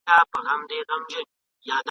په يونان کي دهرتي ماتا ته «ګې» ويل کېدل